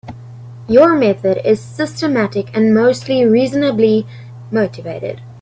Your method is systematic and mostly reasonably motivated.